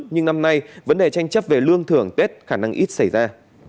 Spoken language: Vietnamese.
nhưng năm nay vấn đề tranh chấp về lương thưởng tết khả năng ít xảy ra